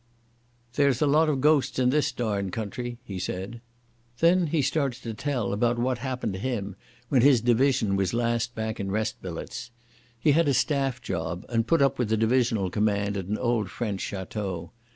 "There's a lot of ghosts in this darned country," he said. Then he started to tell about what happened to him when his division was last back in rest billets. He had a staff job and put up with the divisional command at an old French château.